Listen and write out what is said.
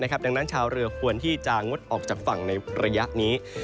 ดังนั้นชาวเรือควรที่จะงดออกจากฝั่งในระยะนี้